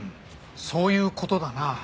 そういう事だな。